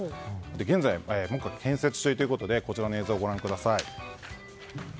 現在、目下建設中ということでこちらの映像をご覧ください。